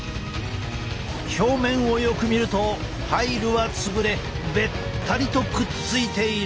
表面をよく見るとパイルは潰れべったりとくっついている。